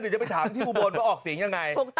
หรือจะไปถามที่อูโบนว่าออกเสียงยังไง